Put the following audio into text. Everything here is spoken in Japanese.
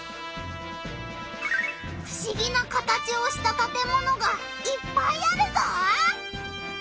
ふしぎな形をしたたてものがいっぱいあるぞ！